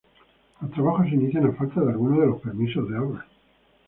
Los trabajos se inician a falta de algunos de los permisos de obras.